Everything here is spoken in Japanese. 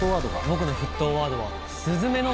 僕の沸騰ワードは。